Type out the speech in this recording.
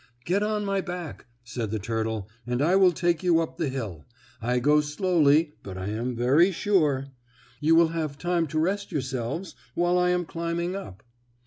"Get on my back," said the turtle, "and I will take you up the hill. I go slowly, but I am very sure. You will have time to rest yourselves while I am climbing up."